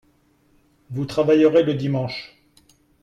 Vous travaillerez le dimanche